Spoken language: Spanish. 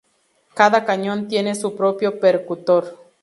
Cada cañón tiene su propio percutor.